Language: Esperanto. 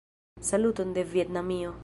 Saluton de Vjetnamio!